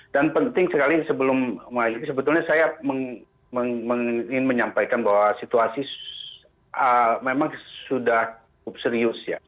dan penting sekali sebelum mengalami ini sebetulnya saya ingin menyampaikan bahwa situasi memang sudah serius